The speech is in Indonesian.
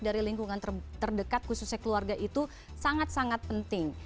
dari lingkungan terdekat khususnya keluarga itu sangat sangat penting